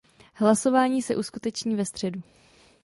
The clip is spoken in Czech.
Hlasování se uskuteční ve středu.